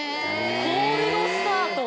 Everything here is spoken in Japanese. コールドスタート。